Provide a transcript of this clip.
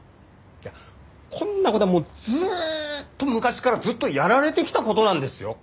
いやこんな事はずーっと昔からずっとやられてきた事なんですよ。